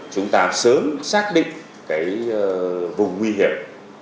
chúng ta sớm xác định cái vùng nguy hiểm